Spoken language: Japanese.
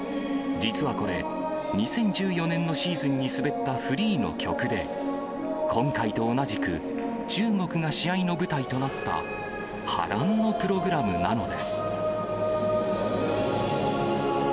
実はこれ、２０１４年のシーズンに滑ったフリーの曲で、今回と同じく、中国が試合の舞台となった、波乱のプログラムなのです。